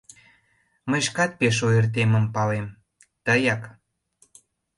Мый шкат пеш ойыртемын палем: тыяк...